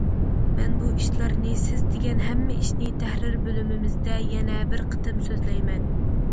مەن بۇ ئىشلارنى، سىز دېگەن ھەممە ئىشنى تەھرىر بۆلۈمىمىزدە يەنە بىر قېتىم سۆزلەيمەن.